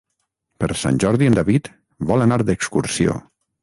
Per Sant Jordi en David vol anar d'excursió.